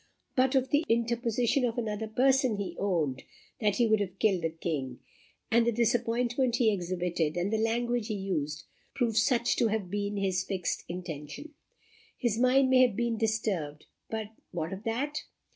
But for the interposition of another person he owned that he would have killed the King; and the disappointment he exhibited, and the language he used, prove such to have been his fixed intention. His mind may have been disturbed; but what of that?